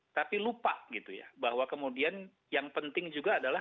tapi lupa bahwa kemudian yang penting juga adalah